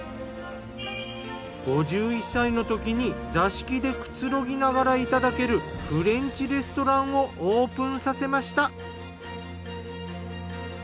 ５１歳のときに座敷でくつろぎながらいただけるフレンチレストランをオープンさせました。